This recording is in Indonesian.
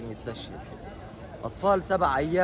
anak anak selama tujuh atau empat hari diberi penguasaan kenapa